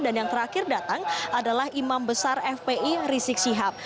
dan yang terakhir datang adalah imam besar fpi rizik shihab